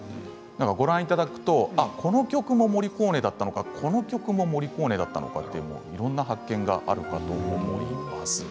ご覧いただくとこの曲もモリコーネだったのかこの曲もモリコーネだったのかといろいろな発見があるかと思います。